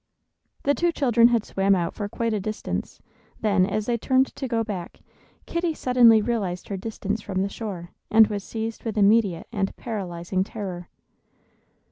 The two children had swam out for quite a distance; then, as they turned to go back, Kitty suddenly realized her distance from the shore, and was seized with immediate and paralyzing terror.